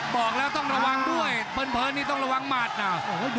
บอกแล้วต้องระวังด้วยเพลินนี่ต้องระวังหมัดนะ